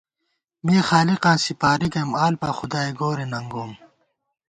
مےخالِقاں سِپاری گَئیم، آلپا خدائے گورے ننگوم